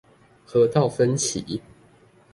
河道紛歧